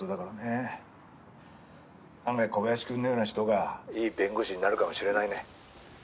案外小林くんのような人がいい弁護士になるかもしれないね。